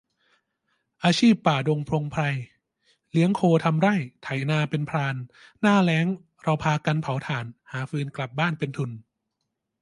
อาชีพป่าดงพงไพร เลี้ยงโคทำไร่ ไถนาเป็นพราน หน้าแล้งเราพากันเผาถ่าน หาฟืนกลับบ้านเป็นทุน